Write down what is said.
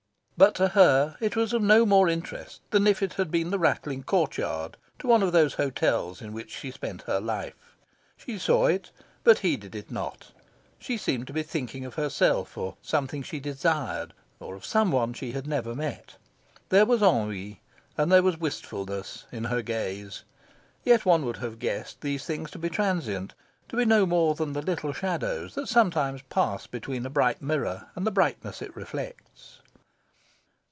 But to her it was of no more interest than if it had been the rattling court yard to one of those hotels in which she spent her life. She saw it, but heeded it not. She seemed to be thinking of herself, or of something she desired, or of some one she had never met. There was ennui, and there was wistfulness, in her gaze. Yet one would have guessed these things to be transient to be no more than the little shadows that sometimes pass between a bright mirror and the brightness it reflects.